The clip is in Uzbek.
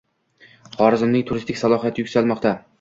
Xorazmning turistik salohiyati yuksalmoqda